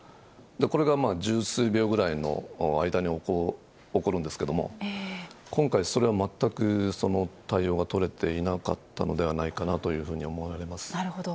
これが十数秒ぐらいの間に起こるんですけれども、今回、それがまったくその対応が取れていなかったのではないかなというなるほど。